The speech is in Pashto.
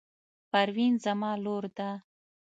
پروین زما لور ده.